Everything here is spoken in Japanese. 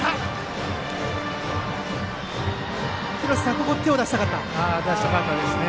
ここは手を出したかったですね？